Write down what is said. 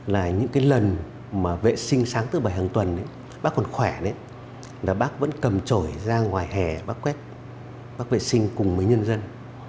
là những cái lần mà vệ sinh sáng thứ bảy hàng tuần bác còn khỏe đấy là bác vẫn cầm trổi ra ngoài hẻ bác quét vệ sinh cùng với nhân dân